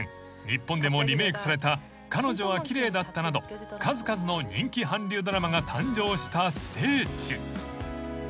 日本でもリメークされた『彼女はキレイだった』など数々の人気韓流ドラマが誕生した聖地］